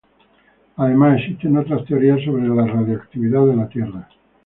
Además, existen otras teorías sobre la radioactividad de la Tierra.